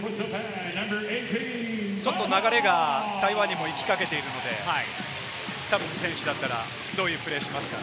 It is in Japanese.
ちょっと流れが台湾にも行きかけているので、田臥さんだったら、どういうプレーをしますか？